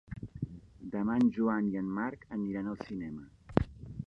Demà en Joan i en Marc aniran al cinema.